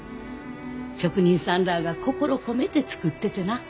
職人さんらが心込めて作っててな。